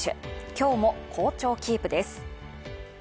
今日も好調キープです。